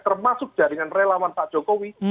termasuk jaringan relawan pak jokowi